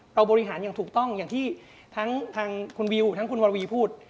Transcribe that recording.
บริหารอย่างถูกต้องอย่างที่ทั้งทางคุณวิวทั้งคุณวรวีพูด